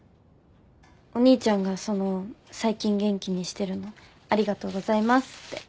お兄ちゃんがその最近元気にしてるのありがとうございますって。